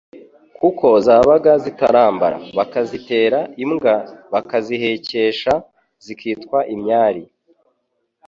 kuko zabaga zitarambara bakazitera ingwa bakazihekesha, zikitwa imyari.